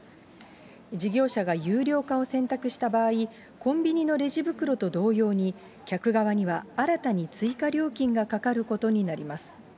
事業者が有料化を選択した場合、コンビニのレジ袋と同様に、客側には新たに追加料金がかかることになります。